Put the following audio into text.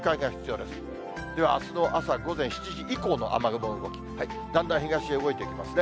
では、あすの朝午前７時以降の雨雲、だんだん東へ動いていきますね。